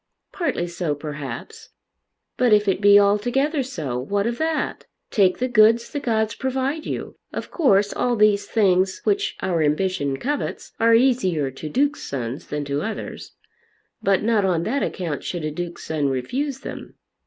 "Partly so perhaps. But if it be altogether so, what of that? Take the goods the gods provide you. Of course all these things which our ambition covets are easier to Duke's sons than to others. But not on that account should a Duke's son refuse them.